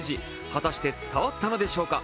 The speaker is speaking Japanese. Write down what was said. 果たして伝わったのでしょうか。